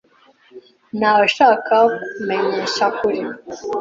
Naweshakaga kukumenyesha kuri .